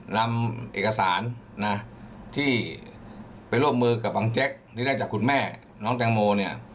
นำเอกสารนะที่ไปร่วมมือกับบังแจ๊กนี่ได้จากคุณแม่น้องแตงโมเนี่ย